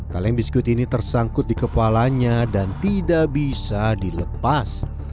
kaleng biskuit ini tersangkut di kepalanya dan tidak bisa dilepas